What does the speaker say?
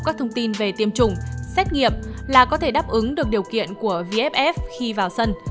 các thông tin về tiêm chủng xét nghiệm là có thể đáp ứng được điều kiện của vff khi vào sân